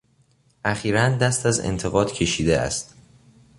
اخیرا دست از انتقاد کشیده است.